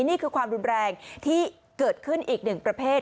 นี่คือความรุนแรงที่เกิดขึ้นอีกหนึ่งประเภท